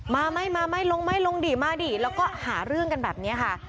มาไม่ลงดีมาดีแล้วก็หาเรื่องกันแบบนี้ค่ะ